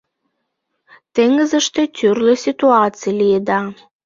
Теҥызыште тӱрлӧ ситуаций лиеда.